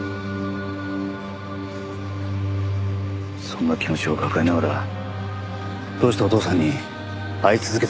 そんな気持ちを抱えながらどうしてお父さんに会い続けたんですか？